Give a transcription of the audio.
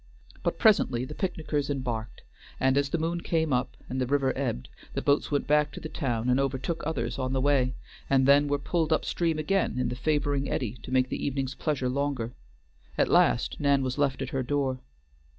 But presently the picnickers embarked, and, as the moon came up, and the river ebbed, the boats went back to the town and overtook others on the way, and then were pulled up stream again in the favoring eddy to make the evening's pleasure longer; at last Nan was left at her door.